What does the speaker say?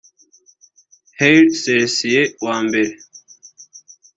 Haile Selassie wa mbere